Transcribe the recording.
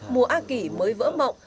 mùa a kỷ mới vỡ mộng